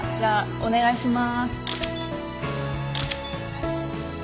お願いします。